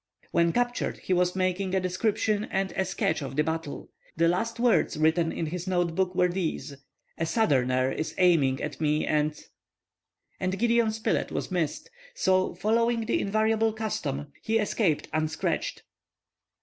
When captured he was about making a description and a sketch of the battle. The last words written in his note book were these:—"A Southerner is aiming at me and—." And Gideon Spilett was missed; so, following his invariable custom, he escaped unscratched.